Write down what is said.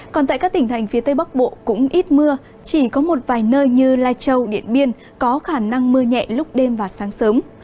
còn tại các tỉnh thành phía tây bắc bộ cũng ít mưa chỉ có một vài nơi như lai châu điện biên có khả năng mưa nhẹ lúc đêm và sáng sớm